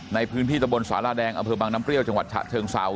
ในพื้นที่ตะบนสาราแดงอำเภอบังน้ำเปรี้ยวจังหวัดฉะเชิงเซา